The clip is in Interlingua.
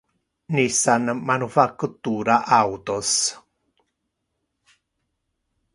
Nissan manufactura autos.